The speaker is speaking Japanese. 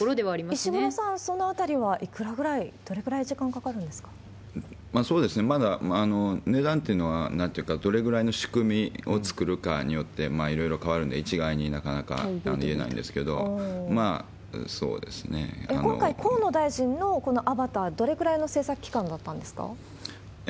石黒さん、そのあたりはいくらぐらい、まだ値段っていうのは、なんていうか、どれぐらいの仕組みを作るかによって、いろいろ変わるんで、一概になかなか言えないんですけれども、今回、河野大臣のこのアバター、どれぐらいの製作期間だったんですか？